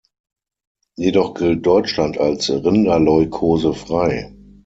Jedoch gilt Deutschland als Rinderleukose-frei.